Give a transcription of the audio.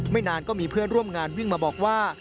นานก็มีเพื่อนร่วมงานวิ่งมาบอกว่า